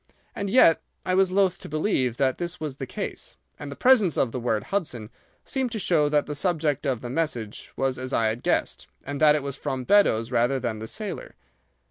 And yet I was loath to believe that this was the case, and the presence of the word 'Hudson' seemed to show that the subject of the message was as I had guessed, and that it was from Beddoes rather than the sailor.